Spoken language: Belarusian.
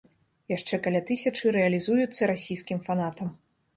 Яшчэ каля тысячы рэалізуюцца расійскім фанатам.